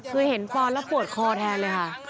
คือเห็นปอนแล้วปวดคอแทนเลยค่ะ